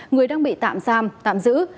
người đang bị tạm giam tạm giữ